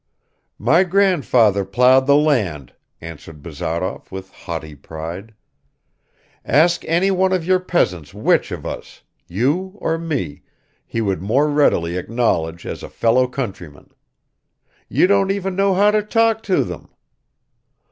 "My grandfather ploughed the land," answered Bazarov with haughty pride. "Ask any one of your peasants which of us you or me he would more readily acknowledge as a fellow countryman. You don't even know how to talk to them."